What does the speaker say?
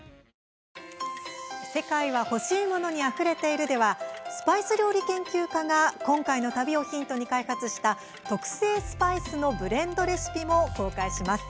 番組では、スパイス料理研究家が今回の旅をヒントに開発した特製スパイスのブレンドレシピも公開します。